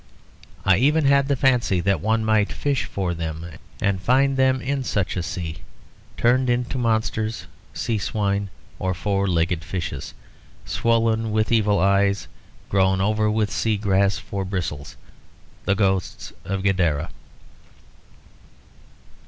I even had the fancy that one might fish for them and find them in such a sea, turned into monsters; sea swine or four legged fishes, swollen and with evil eyes, grown over with sea grass for bristles; the ghosts of Gadara.